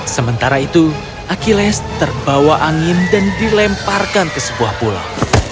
sementara itu akilas terbawa angin dan dilemparkan ke sebuah pulau